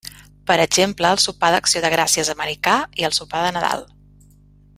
Per exemple el sopar d'acció de gràcies americà i el sopar de Nadal.